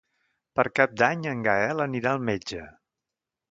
Per Cap d'Any en Gaël anirà al metge.